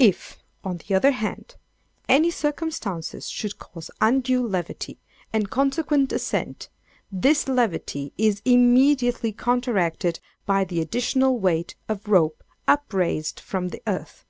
If, on the other hand, any circumstances should cause undue levity, and consequent ascent, this levity is immediately counteracted by the additional weight of rope upraised from the earth.